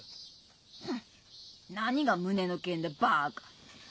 フン何が胸の剣だバカ。